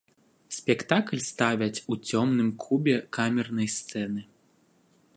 Спектакль ставяць у цёмным кубе камернай сцэны.